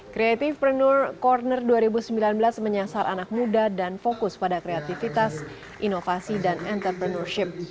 creative pruner corner dua ribu sembilan belas menyasar anak muda dan fokus pada kreativitas inovasi dan entrepreneurship